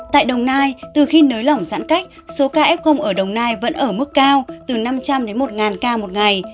tại đồng nai từ khi nới lỏng giãn cách số ca f ở đồng nai vẫn ở mức cao từ năm trăm linh đến một ca một ngày